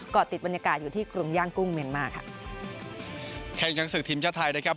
ก็ติดบรรยากาศอยู่ที่กรุงย่างกุ้งเมียนมาค่ะแข่งยังศึกทีมชาติไทยนะครับ